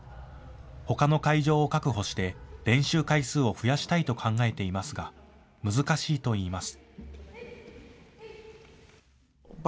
ほかの会場を確保して練習回数を増やしたいと考えていますが難しいといいます。